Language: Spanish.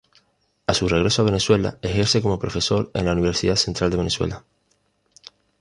A su regreso a Venezuela ejerce como profesor en la Universidad Central de Venezuela.